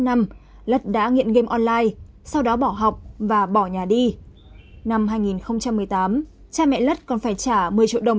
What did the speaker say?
năm lất đã nghiện game online sau đó bỏ học và bỏ nhà đi năm hai nghìn một mươi tám cha mẹ lất còn phải trả một mươi triệu đồng